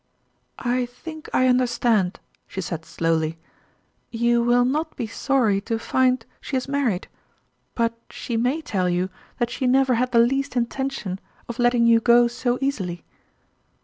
" I think I understand," she said slowly :" you will not be sorry to find she has mar ried ; but she may tell you that she never had the least intention of letting you go so easily